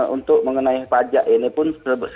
untuk mengenai pajak ini pun